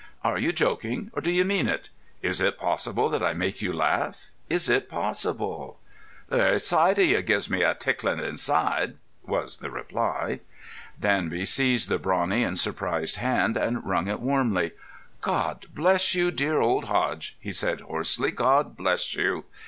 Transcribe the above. "Are you joking, or do you mean it? Is it possible that I make you laugh? Is it possible?" "The very sight o' you gives me a ticklin' inside," was the reply. Danby seized the brawny and surprised hand and wrung it warmly. "God bless you, dear old Hodge!" he said hoarsely. "God bless you!"